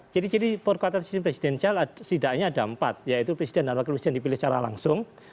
ciri ciri perkuatan sistem presidensial setidaknya ada empat yaitu presiden dan wakil presiden dipilih secara langsung